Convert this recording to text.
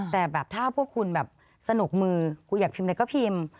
แต่แบบถ้าพวกคุณแบบสนุกมือกูอยากพิมพ์อะไรก็พิมพ์